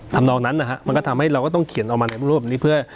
นองนั้นนะฮะมันก็ทำให้เราก็ต้องเขียนออกมาในรูปนี้เพื่อ